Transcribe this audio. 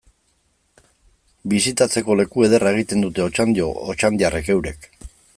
Bisitatzeko leku ederra egiten dute Otxandio otxandiarrek eurek.